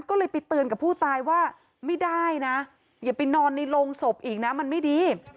ก็เลยไปเตือนกับผู้ตายว่าไม่ได้นะอย่าไปนอนในโรงศพอีกนะมันไม่ดี